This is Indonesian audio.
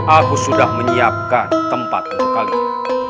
aku sudah menyiapkan tempat untuk kalian